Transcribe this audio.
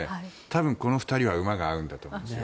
たぶん、この２人は馬が合うんだと思います。